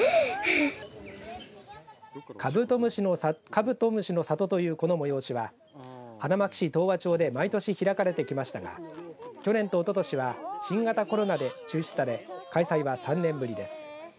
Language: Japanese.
カブト虫の里というこの催しは花巻市東和町で毎年開かれてきましたが去年とおととしは新型コロナで中止され開催は３年ぶりです。